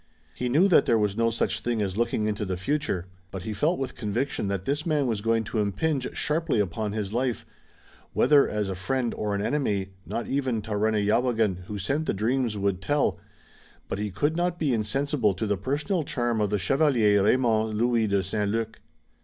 He knew that there was no such thing as looking into the future, but he felt with conviction that this man was going to impinge sharply upon his life, whether as a friend or an enemy not even Tarenyawagon, who sent the dreams, would tell, but he could not be insensible to the personal charm of the Chevalier Raymond Louis de St. Luc.